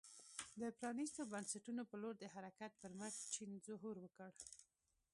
د پرانیستو بنسټونو په لور د حرکت پر مټ چین ظهور وکړ.